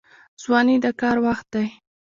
ځواني د کار وخت دی